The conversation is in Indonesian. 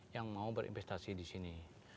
yang mau berinvestasi di sini